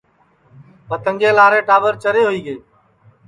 پتنگیں لارے ٹاٻر چرے ہوئی گے